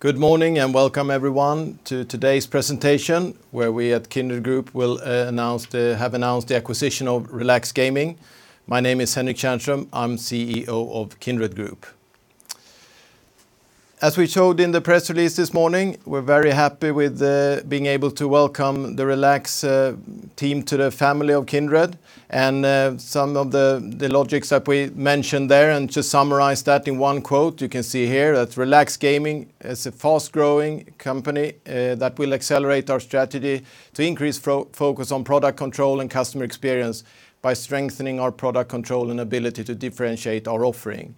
Good morning, and welcome everyone to today's presentation where we at Kindred Group have announced the acquisition of Relax Gaming. My name is Henrik Tjärnström. I'm CEO of Kindred Group. As we showed in the press release this morning, we're very happy with being able to welcome the Relax team to the family of Kindred and some of the logics that we mentioned there, and to summarize that in one quote, you can see here that Relax Gaming is a fast-growing company that will accelerate our strategy to increase focus on product control and customer experience by strengthening our product control and ability to differentiate our offering.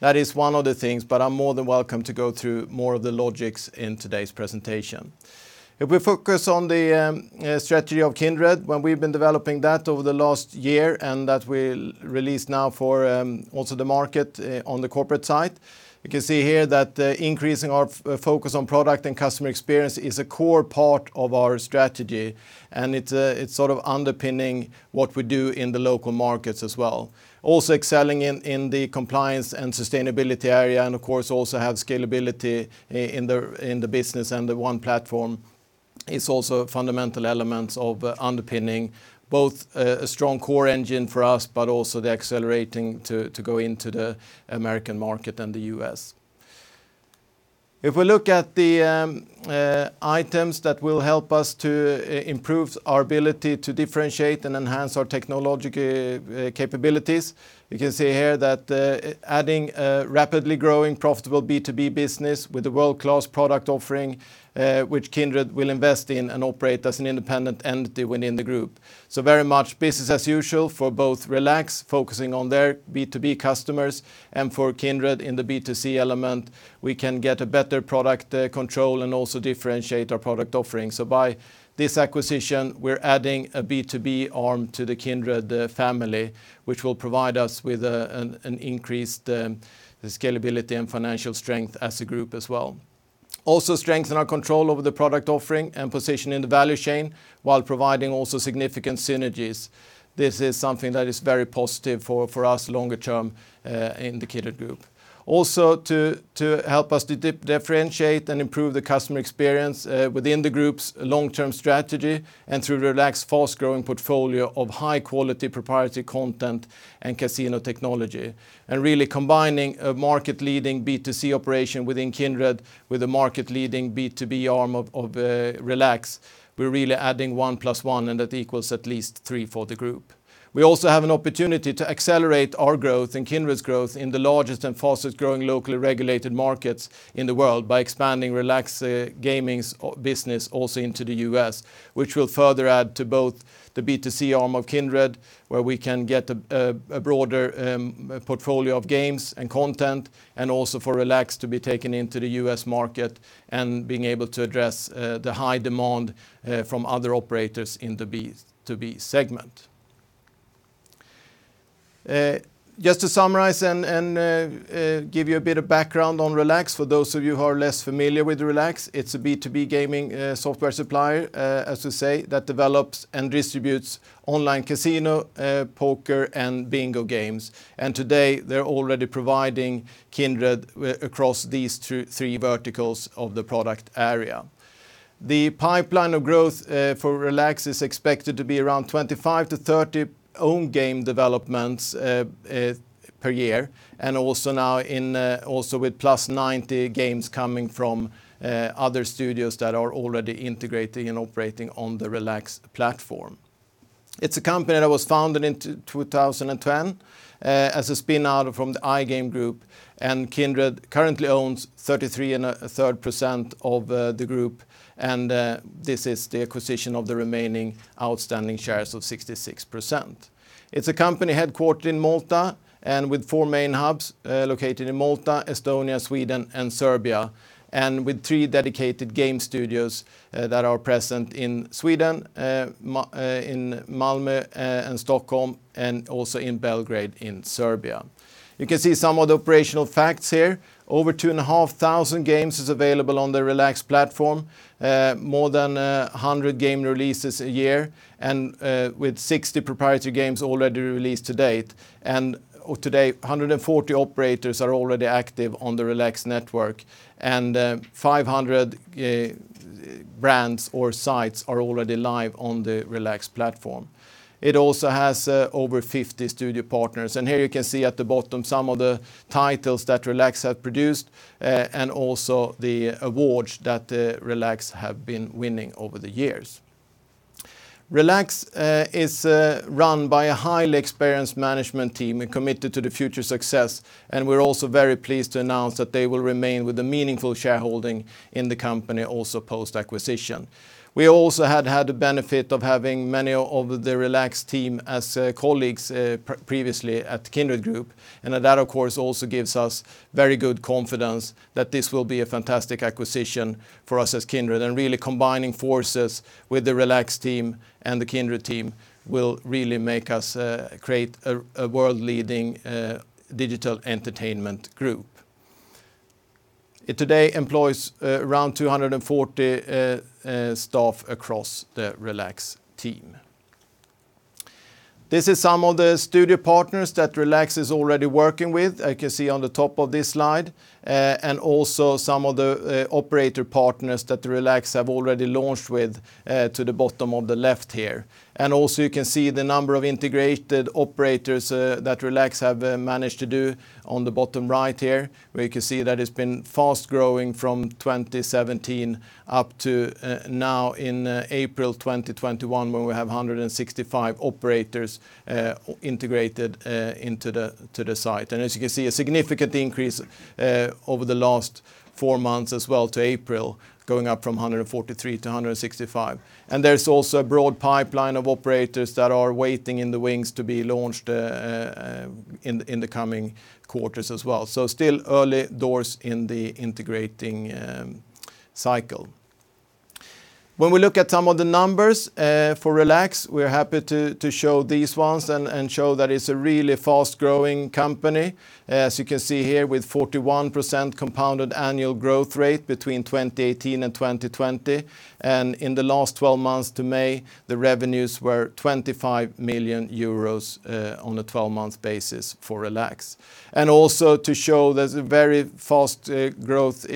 That is one of the things. I'm more than welcome to go through more of the logics in today's presentation. If we focus on the strategy of Kindred, when we've been developing that over the last year, and that we will release now for also the market on the corporate side. You can see here that increasing our focus on product and customer experience is a core part of our strategy, and it is underpinning what we do in the local markets as well. Also excelling in the compliance and sustainability area, and of course also have scalability in the business and the one platform is also fundamental elements of underpinning both a strong core engine for us, but also the accelerating to go into the American market and the U.S. If we look at the items that will help us to improve our ability to differentiate and enhance our technological capabilities, you can see here that adding a rapidly growing profitable B2B business with a world-class product offering, which Kindred will invest in and operate as an independent entity within the group. Very much business as usual for both Relax, focusing on their B2B customers, and for Kindred in the B2C element, we can get a better product control and also differentiate our product offerings. By this acquisition, we're adding a B2B arm to the Kindred family, which will provide us with an increased scalability and financial strength as a group as well. Also strengthen our control over the product offering and position in the value chain, while providing also significant synergies. This is something that is very positive for us longer term in the Kindred Group. To help us to differentiate and improve the customer experience within the group's long-term strategy and through Relax fast-growing portfolio of high-quality proprietary content and casino technology. Really combining a market-leading B2C operation within Kindred with a market-leading B2B arm of Relax. We're really adding one plus one, and that equals at least three for the group. We also have an opportunity to accelerate our growth and Kindred's growth in the largest and fastest-growing locally regulated markets in the world by expanding Relax Gaming's business also into the U.S., which will further add to both the B2C arm of Kindred, where we can get a broader portfolio of games and content, and also for Relax to be taken into the U.S. market and being able to address the high demand from other operators in the B2B segment. Just to summarize and give you a bit of background on Relax, for those of you who are less familiar with Relax, it's a B2B gaming software supplier, as to say, that develops and distributes online casino, poker, and bingo games. Today, they're already providing Kindred across these three verticals of the product area. The pipeline of growth for Relax is expected to be around 25-30 own game developments per year, and also with 90+ games coming from other studios that are already integrating and operating on the Relax platform. It's a company that was founded in 2010 as a spin-out from the iGame Group, and Kindred currently owns 33.3% of the group, and this is the acquisition of the remaining outstanding shares of 66%. It's a company headquarter in Malta and with four main hubs located in Malta, Estonia, Sweden, and Serbia, and with three dedicated game studios that are present in Sweden, in Malmö and Stockholm, and also in Belgrade in Serbia. You can see some of the operational facts here. Over 2,500 games is available on the Relax platform. More than 100 game releases a year, and with 60 proprietary games already released to date. Today, 140 operators are already active on the Relax network, and 500 brands or sites are already live on the Relax platform. It also has over 50 studio partners, and here you can see at the bottom some of the titles that Relax have produced, and also the awards that Relax have been winning over the years. Relax is run by a highly experienced management team committed to the future success, and we're also very pleased to announce that they will remain with a meaningful shareholding in the company also post-acquisition. We also have had the benefit of having many of the Relax team as colleagues previously at Kindred Group, and that of course also gives us very good confidence that this will be a fantastic acquisition for us as Kindred and really combining forces with the Relax team and the Kindred team will really make us create a world-leading digital entertainment group. It today employs around 240 staff across the Relax team. This is some of the studio partners that Relax is already working with, you can see on the top of this slide, and also some of the operator partners that Relax have already launched with to the bottom on the left here. You can see the number of integrated operators that Relax have managed to do on the bottom right here, where you can see that it's been fast-growing from 2017 up to now in April 2021, where we have 165 operators integrated into the site. As you can see, a significant increase over the last four months as well to April, going up from 143 to 165. There's also a broad pipeline of operators that are waiting in the wings to be launched in the coming quarters as well, so still early doors in the integrating cycle. When we look at some of the numbers for Relax, we're happy to show these ones and show that it's a really fast-growing company, as you can see here, with 41% compounded annual growth rate between 2018 and 2020. In the last 12 months to May, the revenues were 25 million euros on a 12-month basis for Relax. Also to show there's a very strong growth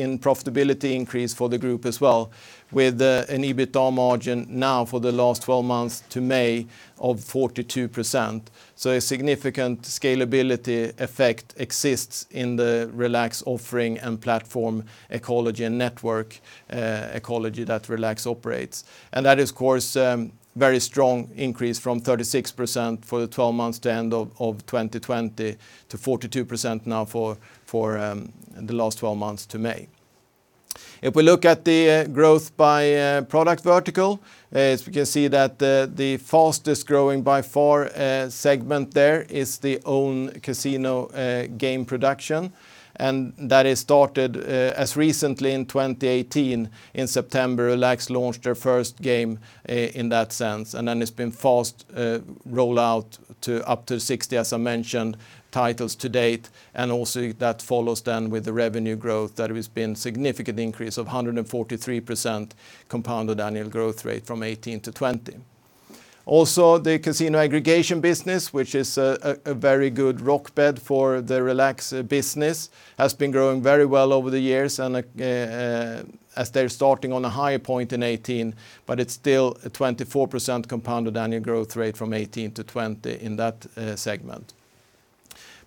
in profitability increase for the group as well, with an EBITDA margin now for the last 12 months to May of 42%. A significant scalability effect exists in the Relax offering and platform ecology and network ecology that Relax operates. That is, of course, a very strong increase from 36% for the 12 months to end of 2020 to 42% now for the last 12 months to May. If we look at the growth by product vertical, as you can see that the fastest growing by far segment there is the own casino game production. That is started as recently in 2018. In September, Relax launched their first game in that sense, and then it's been fast roll-out to up to 60, as I mentioned, titles to date. Also, that follows then with the revenue growth, that has been a significant increase of 143% compounded annual growth rate from 2018 to 2020. Also, the casino aggregation business, which is a very good bedrock for the Relax business, has been growing very well over the years as they're starting on a high point in 2018, but it's still a 24% compounded annual growth rate from 2018 to 2020 in that segment.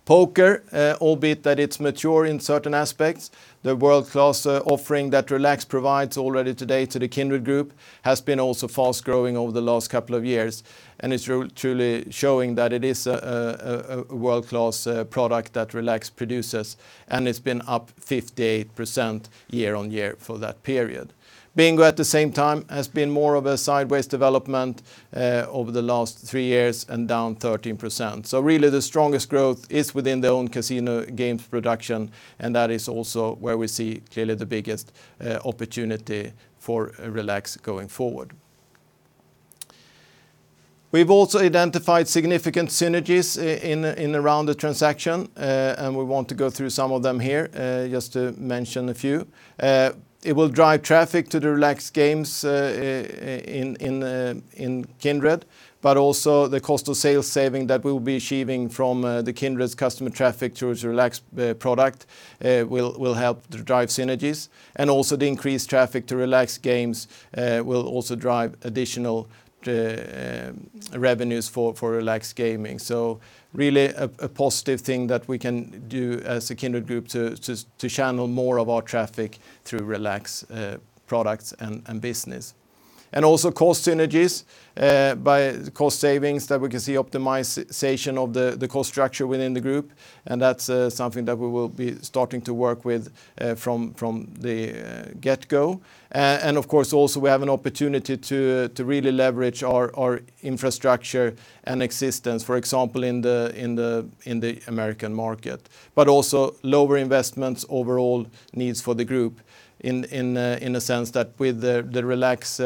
Poker, albeit that it's mature in certain aspects, the world-class offering that Relax provides already today to the Kindred Group has been also fast-growing over the last couple of years. It's truly showing that it is a world-class product that Relax produces, and it's been up 58% year on year for that period. Bingo at the same time has been more of a sideways development over the last three years and down 13%. Really the strongest growth is within their own casino games production, and that is also where we see clearly the biggest opportunity for Relax going forward. We've also identified significant synergies in and around the transaction. We want to go through some of them here, just to mention a few. It will drive traffic to the Relax games in Kindred, but also the cost of sales saving that we'll be achieving from the Kindred's customer traffic through its Relax product will help to drive synergies. The increased traffic to Relax Gaming will also drive additional revenues for Relax Gaming. Really a positive thing that we can do as a Kindred Group to channel more of our traffic to Relax products and business. Cost synergies by cost savings that we can see optimization of the cost structure within the group, that's something that we will be starting to work with from the get-go. Of course, also we have an opportunity to really leverage our infrastructure and existence, for example, in the American market. Lower investments overall needs for the group in a sense that with the Relax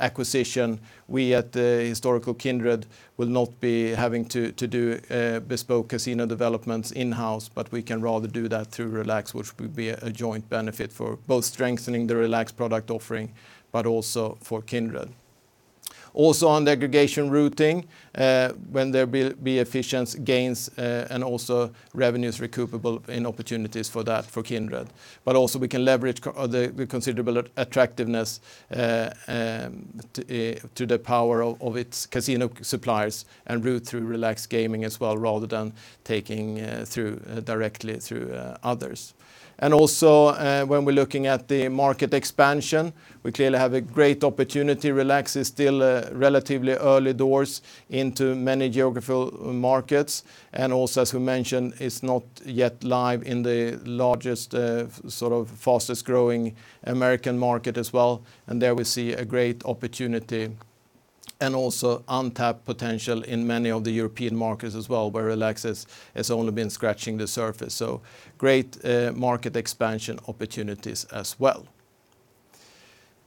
acquisition, we at the historical Kindred will not be having to do bespoke casino developments in-house, but we can rather do that through Relax, which will be a joint benefit for both strengthening the Relax product offering, but also for Kindred. On aggregation routing, there will be efficiency gains and also revenues recuperable in opportunities for that for Kindred. We can leverage the considerable attractiveness to the power of its casino suppliers and route through Relax Gaming as well, rather than taking directly through others. When we're looking at the market expansion, we clearly have a great opportunity. Relax is still relatively early doors into many geographical markets. Also as we mentioned, it's not yet live in the largest sort of fastest-growing American market as well. There we see a great opportunity and also untapped potential in many of the European markets as well, where Relax has only been scratching the surface. Great market expansion opportunities as well.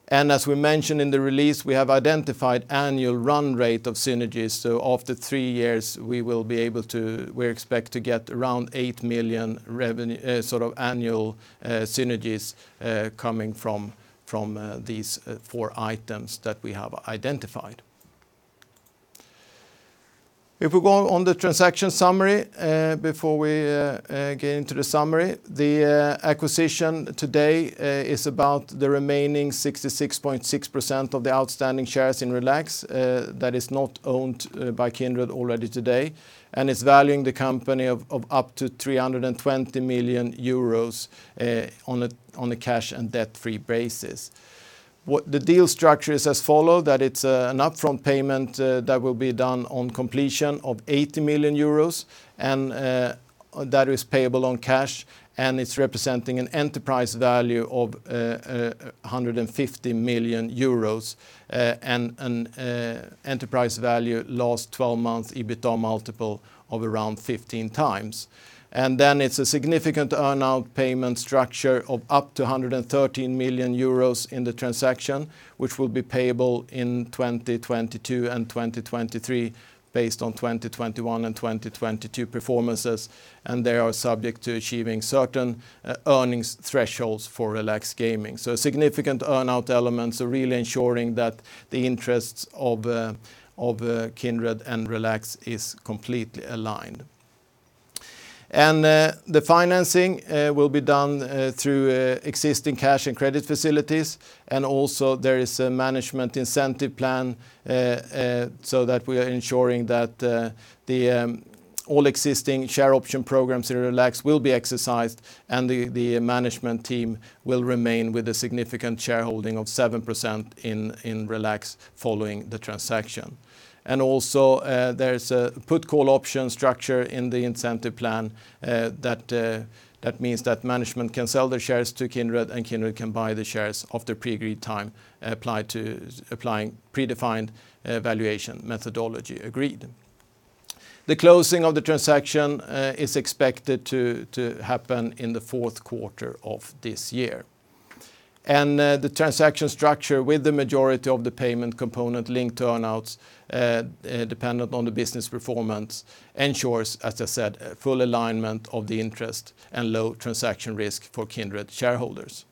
As we mentioned in the release, we have identified annual run rate of synergies. After three years, we expect to get around 8 million sort of annual synergies coming from these four items that we have identified. If we go on the transaction summary before we get into the summary, the acquisition today is about the remaining 66.6% of the outstanding shares in Relax that is not owned by Kindred already today, and it's valuing the company of up to 320 million euros on a cash and debt-free basis. What the deal structure is as follow, that it's an upfront payment that will be done on completion of 80 million euros, and that is payable on cash, and it's representing an enterprise value of 150 million euros and enterprise value last 12 months EBITDA multiple of around 15x. It's a significant earn-out payment structure of up to 113 million euros in the transaction, which will be payable in 2022 and 2023 based on 2021 and 2022 performances, and they are subject to achieving certain earnings thresholds for Relax Gaming. A significant earn-out element, so really ensuring that the interests of Kindred and Relax is completely aligned. The financing will be done through existing cash and credit facilities. Also there is a management incentive plan, so that we are ensuring that the all existing share option programs in Relax will be exercised and the management team will remain with a significant shareholding of 7% in Relax following the transaction. Also, there's a put call option structure in the incentive plan that means that management can sell their shares to Kindred, and Kindred can buy the shares of the pre-agreed time applying predefined valuation methodology agreed. The closing of the transaction is expected to happen in the fourth quarter of this year. The transaction structure with the majority of the payment component linked to earn-outs, dependent on the business performance, ensures, as I said, full alignment of the interest and low transaction risk for Kindred shareholders.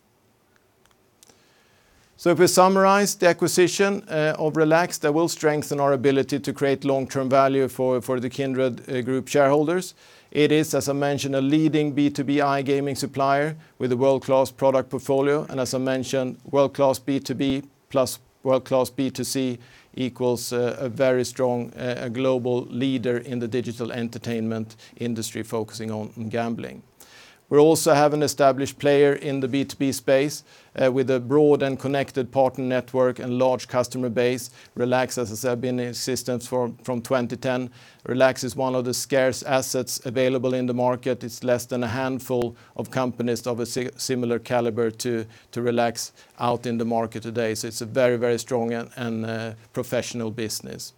If we summarize the acquisition of Relax, that will strengthen our ability to create long-term value for the Kindred Group shareholders. It is, as I mentioned, a leading B2B iGaming supplier with a world-class product portfolio, and as I mentioned, world-class B2B plus world-class B2C equals a very strong global leader in the digital entertainment industry focusing on gambling. We also have an established player in the B2B space with a broad and connected partner network and large customer base. Relax, as I said, been in existence from 2010. Relax is one of the scarce assets available in the market. It's less than a handful of companies of a similar caliber to Relax out in the market today. It's a very strong and professional business.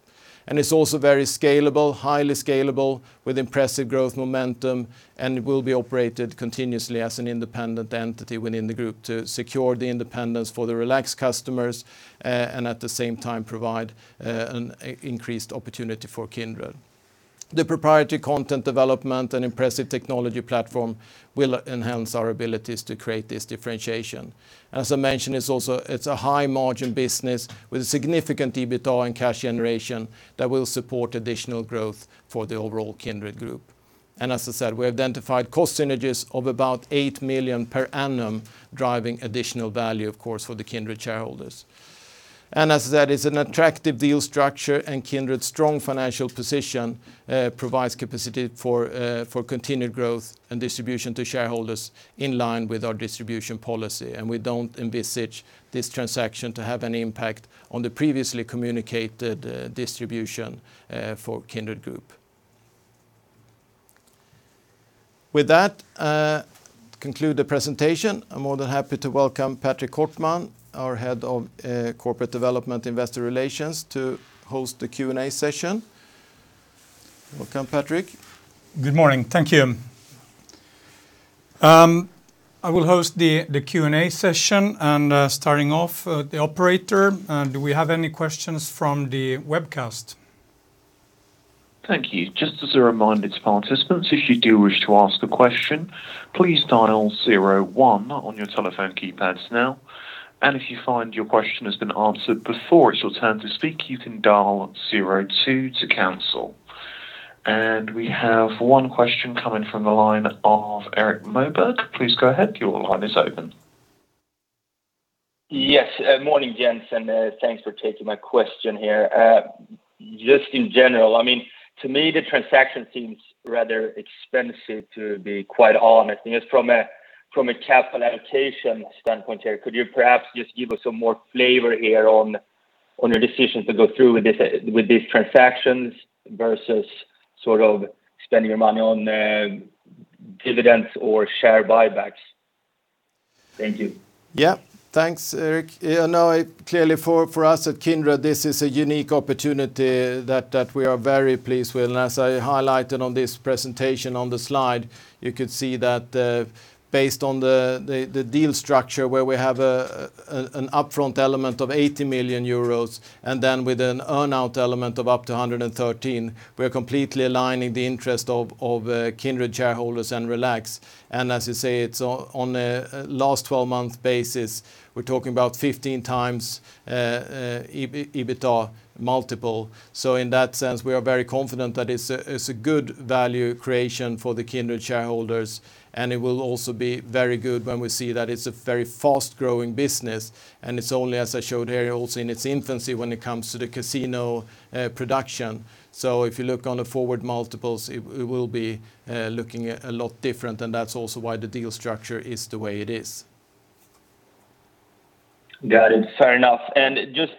It's also very scalable, highly scalable, with impressive growth momentum, and will be operated continuously as an independent entity within the group to secure the independence for the Relax customers, and at the same time, provide an increased opportunity for Kindred. The proprietary content development and impressive technology platform will enhance our abilities to create this differentiation. As I mentioned, it's a high margin business with significant EBITDA and cash generation that will support additional growth for the overall Kindred Group. As I said, we identified cost synergies of about 8 million per annum, driving additional value, of course, for the Kindred shareholders. As I said, it's an attractive deal structure and Kindred's strong financial position provides capacity for continued growth and distribution to shareholders in line with our distribution policy. We don't envisage this transaction to have an impact on the previously communicated distribution for Kindred Group. With that, conclude the presentation. I'm more than happy to welcome Patrick Kortman, our Head of Corporate Development & Investor Relations, to host the Q&A session. Welcome, Patrick. Good morning. Thank you. I will host the Q&A session and starting off the operator, do we have any questions from the webcast? Thank you. Just as a reminder to participants, if you do wish to ask a question, please dial zero one on your telephone keypads now. And if you find your question has been answered before it's your turn to speak, you can dial zero two to cancel. We have one question coming from the line of Erik Moberg. Yes. Morning, gentlemen. Thanks for taking my question here. Just in general, to me, the transaction seems rather expensive to be quite honest. Just from a capitalization standpoint here, could you perhaps just give us some more flavor here on your decision to go through with this transaction versus sort of spending your money on dividends or share buybacks? Thank you. Yeah. Thanks, Erik. Clearly for us at Kindred, this is a unique opportunity that we are very pleased with. As I highlighted on this presentation on the slide, you could see that based on the deal structure where we have an upfront element of 80 million euros, with an earn-out element of up to 113 million, we're completely aligning the interest of Kindred shareholders and Relax. As you say, it's on a last 12-month basis, we're talking about 15 times EBITDA multiple. In that sense, we are very confident that it's a good value creation for the Kindred shareholders, and it will also be very good when we see that it's a very fast-growing business, and it's only, as I showed there, also in its infancy when it comes to the casino production. If you look on the forward multiples, it will be looking a lot different, and that's also why the deal structure is the way it is. Got it. Fair enough. Just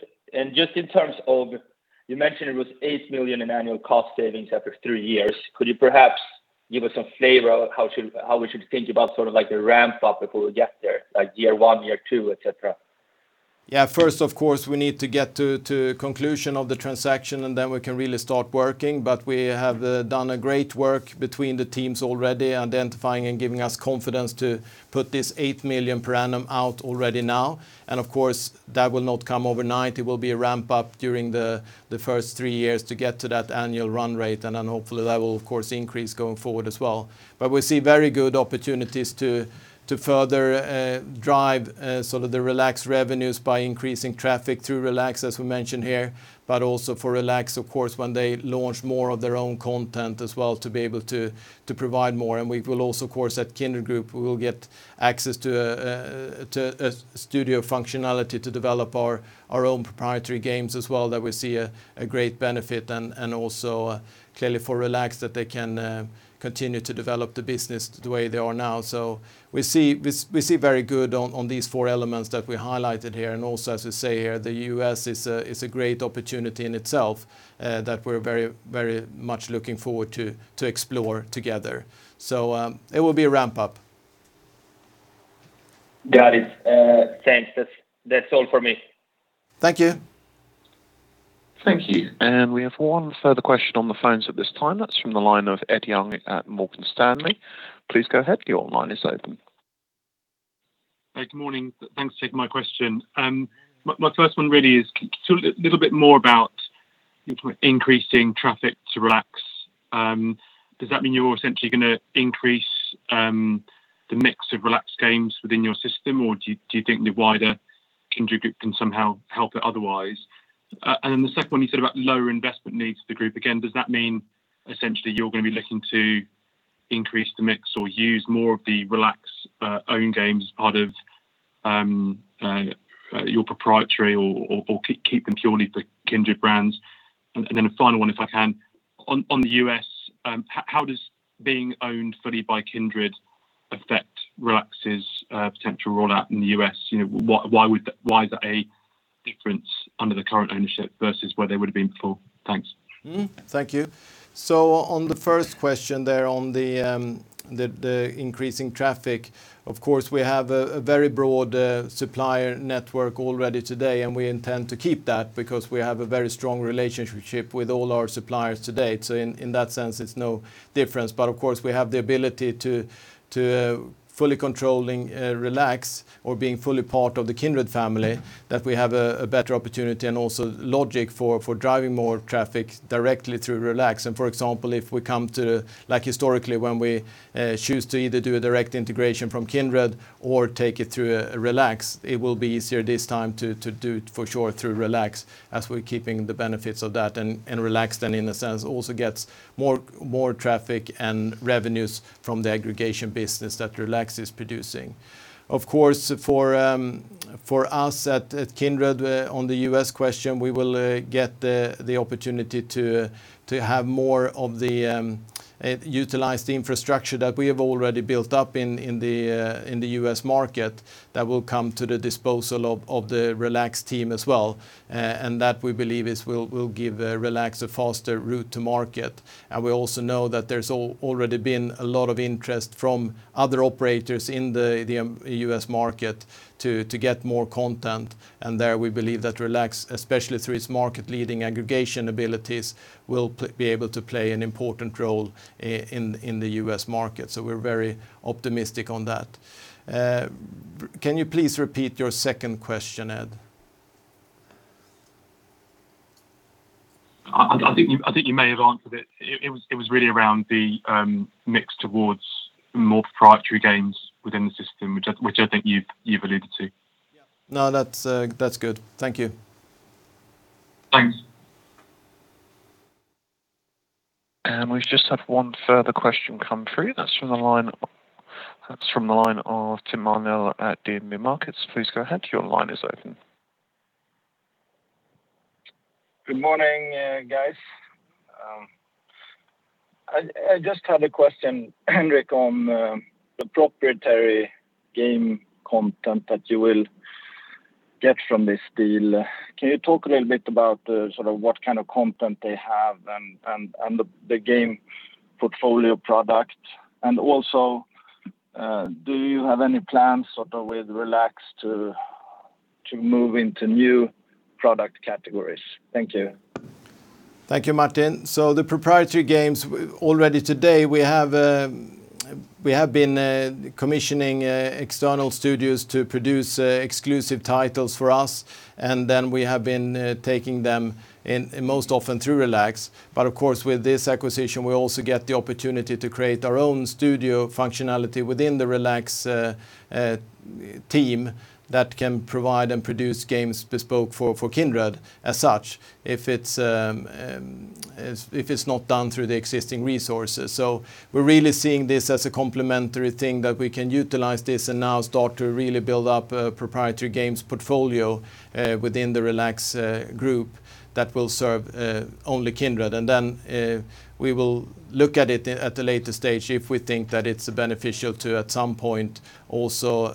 in terms of, you mentioned it was 8 million in annual cost savings after three years. Could you perhaps give us a flavor of how we should think about a ramp-up before we get there, like year one, year two, et cetera? Yeah. First, of course, we need to get to conclusion of the transaction, and then we can really start working. We have done great work between the teams already, identifying and giving us confidence to put this 8 million per annum out already now. Of course, that will not come overnight. It will be a ramp-up during the first three years to get to that annual run rate, and then hopefully that will, of course, increase going forward as well. We see very good opportunities to further drive the Relax revenues by increasing traffic through Relax, as we mentioned here, but also for Relax, of course, when they launch more of their own content as well, to be able to provide more. We will also, of course, at Kindred Group, we will get access to a studio functionality to develop our own proprietary games as well, that we see a great benefit, and also clearly for Relax that they can continue to develop the business the way they are now. We see very good on these four elements that we highlighted here. Also, as I say here, the U.S. is a great opportunity in itself that we're very much looking forward to explore together. It will be a ramp-up. Got it. Thanks. That's all from me. Thank you. Thank you. We have one further question on the phones at this time. That's from the line of Ed Young at Morgan Stanley. Please go ahead. Your line is open. Good morning. Thanks. Two for my question. My first one, can you talk a little bit more about increasing traffic to Relax? Does that mean you're essentially going to increase the mix of Relax games within your system, or do you think the wider Kindred Group can somehow help it otherwise? The second one, you said about lower investment needs for the group. Again, does that mean essentially you're going to be looking to increase the mix or use more of the Relax-owned games as part of your proprietary, or keep them purely for Kindred brands? Then a final one, if I can. On the U.S., how does being owned fully by Kindred affect Relax's potential rollout in the U.S.? Why is that a difference under the current ownership versus where they would've been before? Thanks. Thank you. On the first question there on the increasing traffic, of course, we have a very broad supplier network already today, and we intend to keep that because we have a very strong relationship with all our suppliers today. In that sense, it's no difference. Of course, we have the ability to fully controlling Relax or being fully part of the Kindred family, that we have a better opportunity and also logic for driving more traffic directly through Relax. For example, historically, when we choose to either do a direct integration from Kindred or take it to Relax, it will be easier this time to do it for sure through Relax, as we're keeping the benefits of that. Relax then, in a sense, also gets more traffic and revenues from the aggregation business that Relax is producing. Of course, for us at Kindred, on the U.S. question, we will get the opportunity to have more of the utilized infrastructure that we have already built up in the U.S. market that will come to the disposal of the Relax team as well. That, we believe, will give Relax a faster route to market. We also know that there's already been a lot of interest from other operators in the U.S. market to get more content. There we believe that Relax, especially through its market-leading aggregation abilities, will be able to play an important role in the U.S. market. We're very optimistic on that. Can you please repeat your second question, Ed? I think you may have answered it. It was really around the mix towards more proprietary games within the system, which I think you've alluded to. Yeah. No, that's good. Thank you. Thanks. We just have one further question come through. That's from the line of [Martin] Arnell at DNB Markets. Please go ahead. Your line is open. Good morning, guys. I just had a question, Henrik, on the proprietary game content that you will get from this deal. Can you talk a little bit about what kind of content they have and the game portfolio product? Also, do you have any plans with Relax to move into new product categories? Thank you. Thank you, Martin. The proprietary games, already today, we have been commissioning external studios to produce exclusive titles for us, and then we have been taking them most often through Relax. Of course, with this acquisition, we also get the opportunity to create our own studio functionality within the Relax team that can provide and produce games bespoke for Kindred as such, if it's not done through the existing resources. We're really seeing this as a complementary thing that we can utilize this and now start to really build up a proprietary games portfolio within the Relax Group that will serve only Kindred. We will look at it at a later stage if we think that it's beneficial to, at some point, also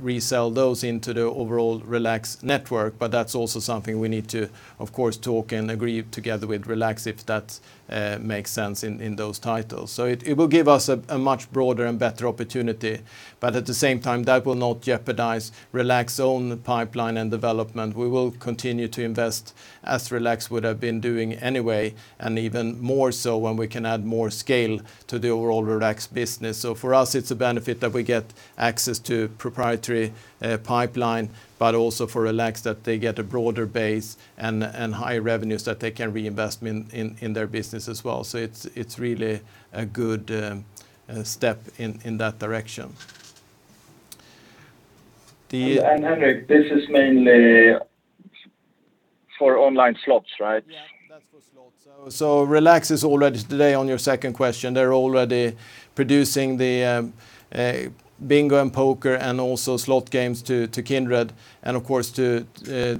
resell those into the overall Relax network. That's also something we need to, of course, talk and agree together with Relax if that makes sense in those titles. It will give us a much broader and better opportunity. At the same time, that will not jeopardize Relax's own pipeline and development. We will continue to invest as Relax would have been doing anyway, and even more so when we can add more scale to the overall Relax business. For us, it's a benefit that we get access to proprietary pipeline, but also for Relax, that they get a broader base and higher revenues that they can reinvest in their business as well. It's really a good step in that direction. Henrik, this is mainly for online slots, right? Yeah, that's for slots. Relax is already today, on your second question, they're already producing the bingo and poker and also slot games to Kindred and, of course,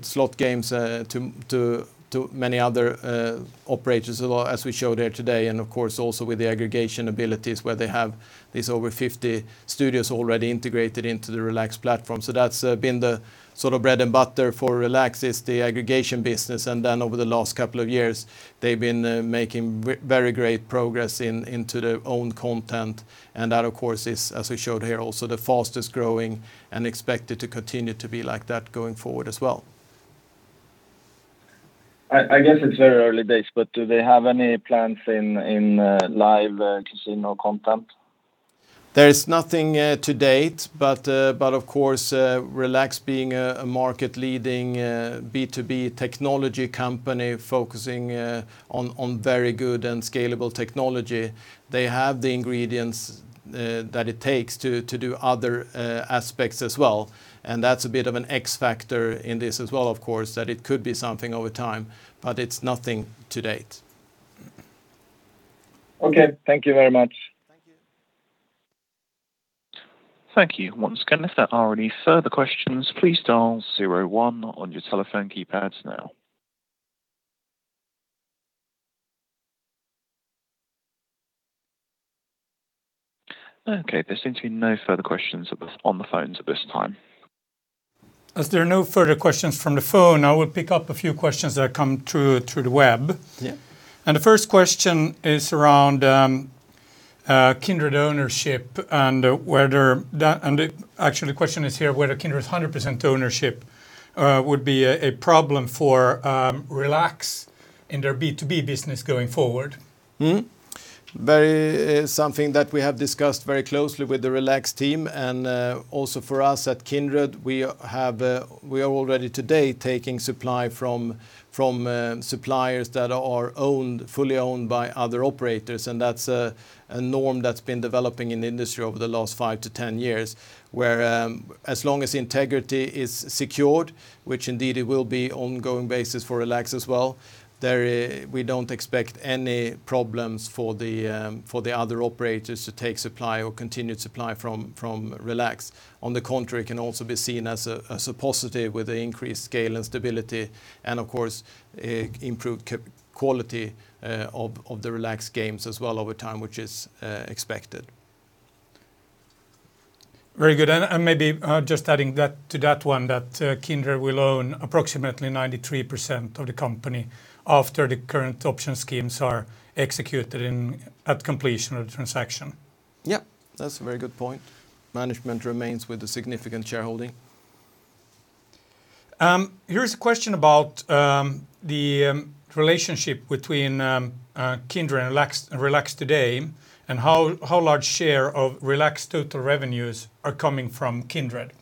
slot games to many other operators as we showed here today, and of course also with the aggregation abilities where they have these over 50 studios already integrated into the Relax platform. That's been the sort of bread and butter for Relax is the aggregation business. Over the last couple of years, they've been making very great progress into the owned content. That, of course, is, as we showed here, also the fastest-growing and expected to continue to be like that going forward as well. I guess it's very early days, but do they have any plans in live casino content? There is nothing to date, of course, Relax being a market-leading B2B technology company focusing on very good and scalable technology, they have the ingredients that it takes to do other aspects as well. That's a bit of an X factor in this as well, of course, that it could be something over time, but it's nothing to date. Okay. Thank you very much. Thank you. Thank you. Once again, if there are any further questions, please dial zero one on your telephone keypads now. Okay, there seems to be no further questions on the phones at this time. As there are no further questions from the phone, I will pick up a few questions that come through the web. Yeah. The first question is around Kindred ownership. Actually, the question is here, whether Kindred's 100% ownership would be a problem for Relax in their B2B business going forward. Something that we have discussed very closely with the Relax team, and also for us at Kindred, we are already today taking supply from suppliers that are fully owned by other operators, and that's a norm that's been developing in the industry over the last 5 to 10 years, where as long as integrity is secured, which indeed it will be ongoing basis for Relax as well, we don't expect any problems for the other operators to take supply or continued supply from Relax. On the contrary, it can also be seen as a positive with the increased scale and stability and, of course, improved quality of the Relax games as well over time, which is expected. Very good. Maybe just adding to that one, that Kindred will own approximately 93% of the company after the current option schemes are executed at completion of the transaction. Yep, that's a very good point. Management remains with a significant shareholding. Here is a question about the relationship between Kindred and Relax today and how large share of Relax total revenues are coming from Kindred.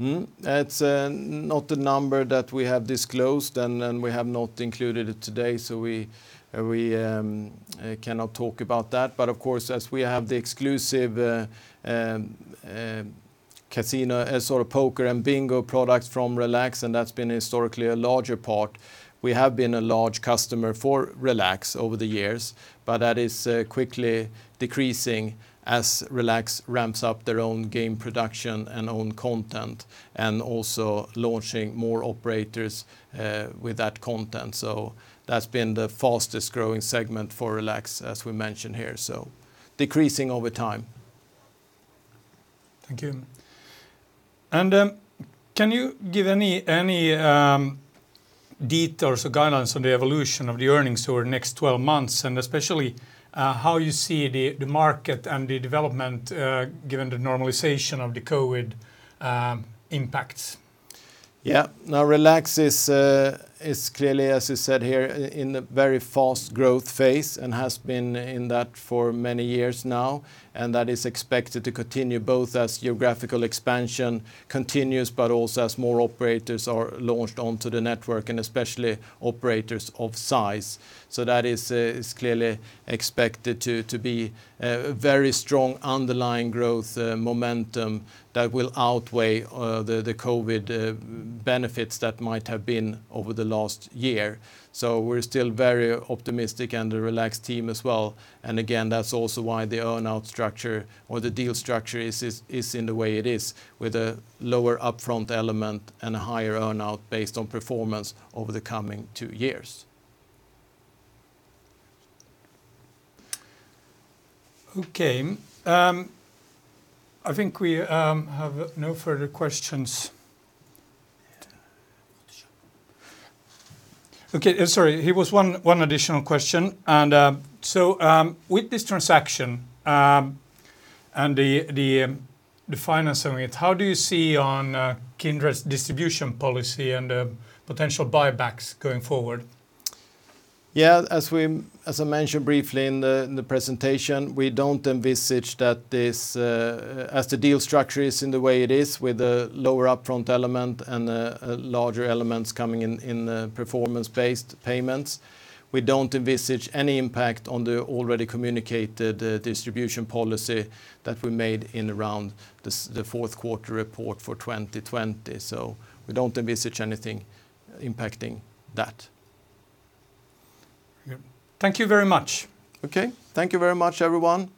It's not a number that we have disclosed, and we have not included it today, so we cannot talk about that. Of course, as we have the exclusive casino, sort of poker and bingo products from Relax, and that's been historically a larger part, we have been a large customer for Relax over the years, but that is quickly decreasing as Relax ramps up their own game production and own content and also launching more operators with that content. That's been the fastest-growing segment for Relax, as we mentioned here, so decreasing over time. Thank you. Can you give any details or guidelines on the evolution of the earnings over the next 12 months, and especially how you see the market and the development given the normalization of the COVID impacts? Now, Relax is clearly, as you said here, in a very fast growth phase and has been in that for many years now, and that is expected to continue both as geographical expansion continues, but also as more operators are launched onto the network, and especially operators of size. That is clearly expected to be very strong underlying growth momentum that will outweigh the COVID benefits that might have been over the last year. We're still very optimistic, and the Relax team as well. Again, that's also why the earn-out structure or the deal structure is in the way it is with a lower upfront element and a higher earn-out based on performance over the coming two years. Okay. I think we have no further questions. Okay. Sorry, here was one additional question. With this transaction and the financing it, how do you see on Kindred's distribution policy and potential buybacks going forward? As I mentioned briefly in the presentation, as the deal structure is in the way it is with a lower upfront element and larger elements coming in in the performance-based payments, we don't envisage any impact on the already communicated distribution policy that we made in around the fourth quarter report for 2020. We don't envisage anything impacting that. Okay. Thank you very much. Okay. Thank you very much, everyone.